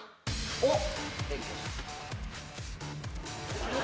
おっ。